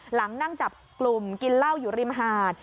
หลังนั่งจับกลุ่มกินเหล้าอยู่ริมหาด